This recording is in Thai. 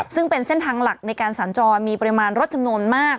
ซึ่งเป็นเส้นทางหลักในการสัญจรมีปริมาณรถจำนวนมาก